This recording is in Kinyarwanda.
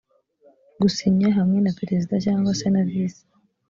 gusinya hamwe na perezida cyangwa se na visi